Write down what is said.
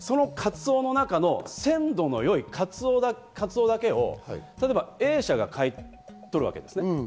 そのカツオの中の鮮度の良いカツオだけをＡ社が買い取るわけです。